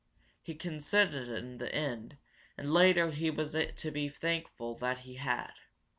He consented in the end, and later he was to be thankful that he had.